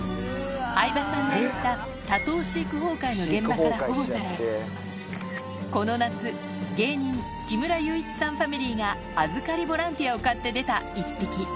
相葉さんが行った多頭飼育崩壊の現場から保護され、この夏、芸人、木村祐一さんファミリーが預かりボランティアをかってでた一匹。